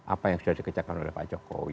apa yang sudah dikerjakan oleh pak jokowi